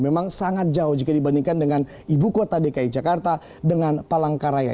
memang sangat jauh jika dibandingkan dengan ibu kota dki jakarta dengan palangkaraya